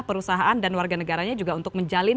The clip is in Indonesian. perusahaan dan warga negaranya juga untuk menjalin